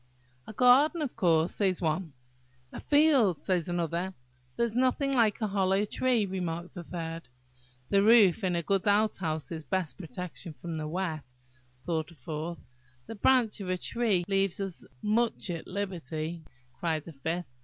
"A garden, of course," says one. "A field," says another. "There is nothing like a hollow tree," remarked a third. "The roof of a good outhouse is best protected from wet," thought a fourth. "The branch of a tree leaves us most at liberty," cried a fifth.